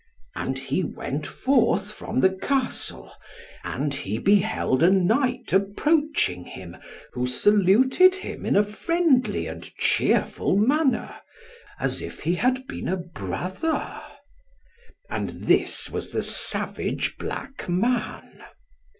And he went forth from the Castle, and he beheld a Knight approaching him, who saluted him, in a friendly and cheerful manner, as if he had been a brother. And this was the savage black man.